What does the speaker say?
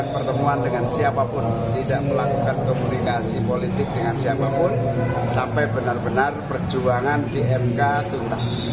bersama mk nanti kemudian